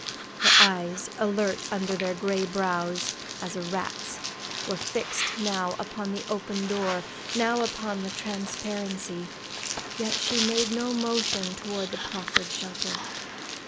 Her eyes, alert under their gray brows, as a rat's, were fixed now upon the open door, now upon the transparency, yet she made no motion toward the proffered shelter.